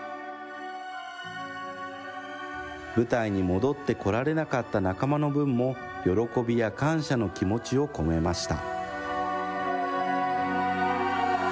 舞台に戻ってこられなかった仲間の分も、喜びや感謝の気持ちを込めました。